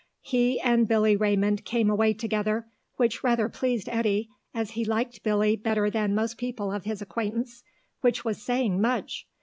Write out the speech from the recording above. He and Billy Raymond came away together, which rather pleased Eddy, as he liked Billy better than most people of his acquaintance, which was saying much.